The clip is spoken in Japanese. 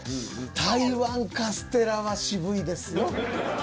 台湾カステラは渋いですよ。